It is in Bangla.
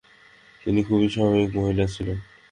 তিনি খুবই স্বাভাবিক মহিলা ছিলেন।